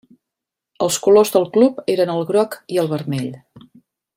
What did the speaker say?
Els colors del club eren el groc i el vermell.